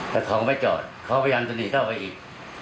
แต่เขาก็ไม่จอดเขาพยายามจะหนีเข้าไปอีก